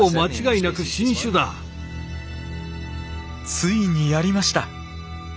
ついにやりました！